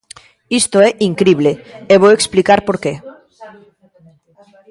Isto é incrible e vou explicar por que.